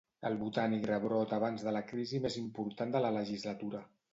El Botànic rebrota abans de la crisi més important de la legislatura.